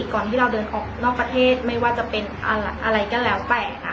ก่อนที่เราเดินออกนอกประเทศไม่ว่าจะเป็นอะไรก็แล้วแต่ค่ะ